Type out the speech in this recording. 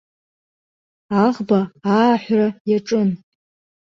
Аӷба ааҳәра иаҿын.